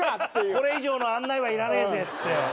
これ以上の案内はいらねえぜっつって。